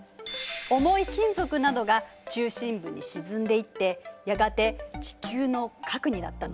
重い金属などが中心部に沈んでいってやがて地球の核になったの。